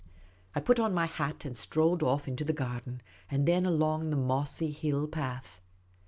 I put on my hat and strolled off into the garden, and then along the mossy hill path.